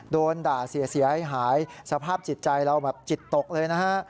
โดนด่าเสียหายสภาพจิตใจเราแบบจิตตกเลยนะฮะ